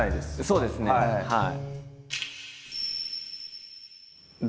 そうですねはい。